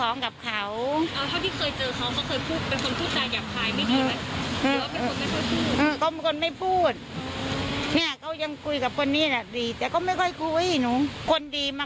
เงินแค่นี้ก็ยังมาบาดหมานกันเนอะ